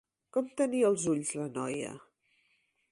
Com tenia els ulls la noia?